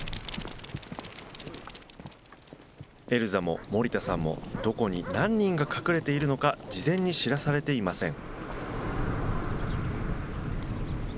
エルザも森田さんも、どこに何人が隠れているのか、事前に知らされていません。